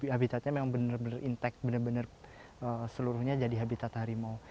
habitatnya memang benar benar intek benar benar seluruhnya jadi habitat harimau